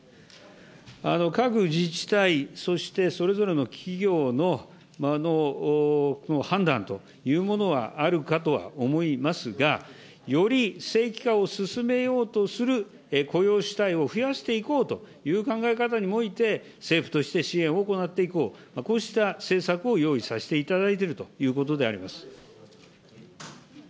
各自治体、そしてそれぞれの企業の判断というものはあるかとは思いますが、より正規化を進めようとする、雇用主体を増やしていこうという考え方にも、政府として支援を行っていこう、こうした政策を用意させていただいているということであります。